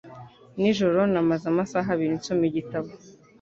Nijoro namaze amasaha abiri nsoma igitabo.